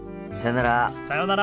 さようなら。